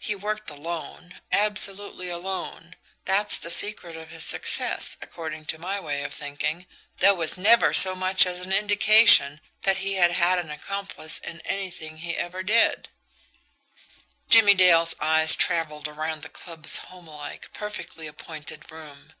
He worked alone, absolutely alone. That's the secret of his success, according to my way of thinking. There was never so much as an indication that he had had an accomplice in anything he ever did." Jimmie Dale's eyes travelled around the club's homelike, perfectly appointed room.